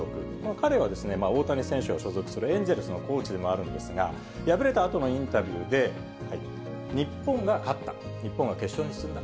彼は大谷選手の所属するエンゼルスのコーチでもあるんですが、敗れたあとのインタビューで、日本が勝った、日本が決勝に進んだ。